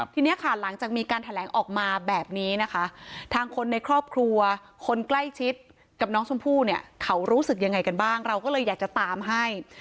ทีนี้ค่ะหลังจากมีการแถลงออกมาแบบนี้นะคะ